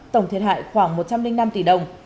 tổng thiệt hại khoảng một trăm linh năm tỷ đồng